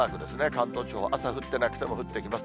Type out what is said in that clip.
関東地方は朝降ってなくても降ってきます。